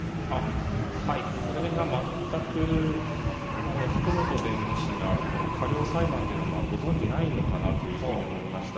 これが全く、福本弁護士が過料裁判というのをご存じないのかなというふうに思いました。